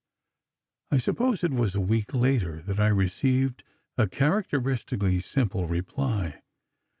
I suppose it was a week later that I received a characteristically simple reply.